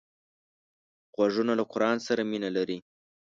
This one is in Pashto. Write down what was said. غوږونه له قرآن سره مینه لري